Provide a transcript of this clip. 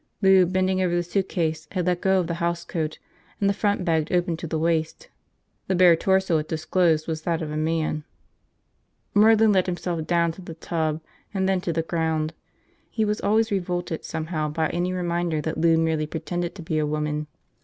Lou, bending over the suitcase, had let go of the housecoat and the front bagged open to the waist. The bare torso it disclosed was that of a man. Merlin let himself down to the tub and then to the ground. He was always revolted somehow by any reminder that Lou merely pretended to be a woman.